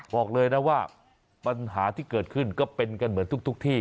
บอกเลยนะว่าปัญหาที่เกิดขึ้นก็เป็นกันเหมือนทุกที่